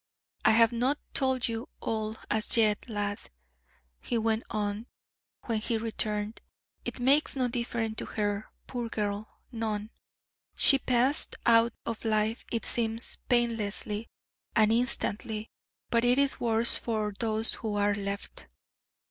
"I have not told you all as yet, lad," he went on, when he returned; "it makes no difference to her, poor girl none. She passed out of life, it seems, painlessly and instantly, but it is worse for those who are left."